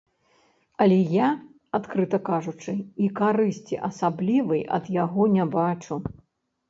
Але я, адкрыта кажучы, і карысці асаблівай ад яго не бачу.